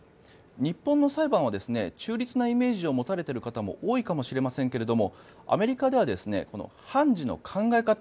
日本の裁判は中立なイメージを持たれている方も多いかもしれませんけれどアメリカでは判事の考え方